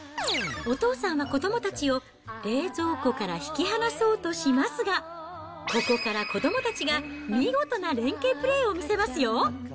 お父さんは子どもたちを冷蔵庫から引き離そうとしますが、ここから子どもたちが見事な連携プレーを見せますよ。